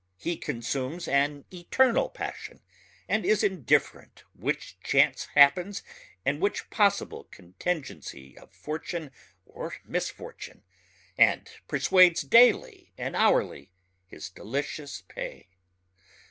He consumes an eternal passion and is indifferent which chance happens and which possible contingency of fortune or misfortune and persuades daily and hourly his delicious pay.